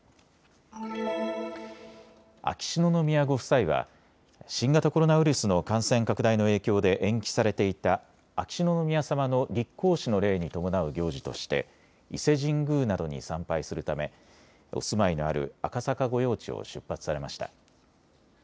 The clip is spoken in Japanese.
秋篠宮ご夫妻は新型コロナウイルスの感染拡大の影響で延期されていた秋篠宮さまの立皇嗣の礼に伴う行事として伊勢神宮などに参拝するためお住まいのある赤坂御用地を出発されました。